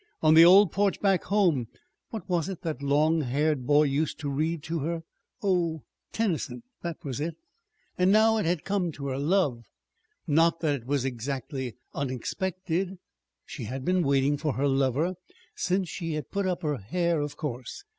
On the old porch back home what was it that long haired boy used to read to her? Oh, Tennyson. That was it. And now it had come to her love. Not that it was exactly unexpected: she had been waiting for her lover since she had put up her hair, of course.